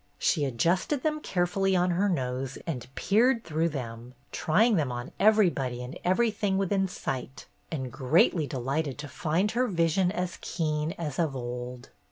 She adjusted them carefully on her nose and peered through them, trying them on everybody and everything within sight, and greatly delighted to find her vision as keen as of old.